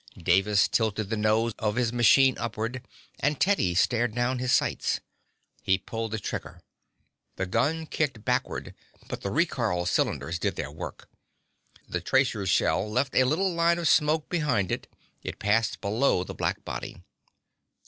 Davis tilted the nose of his machine upward, and Teddy stared down his sights. He pulled the trigger. The gun kicked backward, but the recoil cylinders did their work. The tracer shell left a little line of smoke behind it. It passed below the black body.